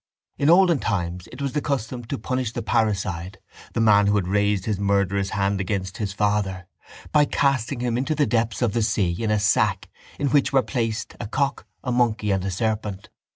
In olden times it was the custom to punish the parricide, the man who had raised his murderous hand against his father, by casting him into the depths of the sea in a sack in which were placed a cock, a monkey, and a serpent.